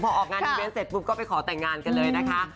พอออกงานอีเวนต์เสร็จปุ๊บก็ไปขอแต่งงานกันเลยนะคะ